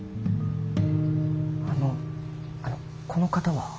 あのあのこの方は？